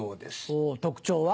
ほう特徴は？